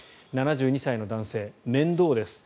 ７２歳の男性、面倒です